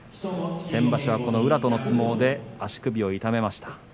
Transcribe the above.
先場所は宇良との相撲で足首を痛めました。